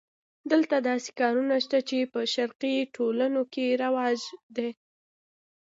دلته داسې کارونه شته چې په شرقي ټولنو کې رواج دي.